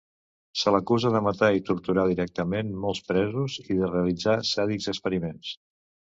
Se l'acusa de matar i torturar directament molts presos, i de realitzar sàdics experiments.